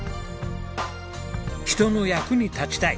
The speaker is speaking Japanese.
人の役に立ちたい。